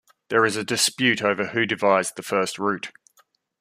There is a dispute over who devised the first route.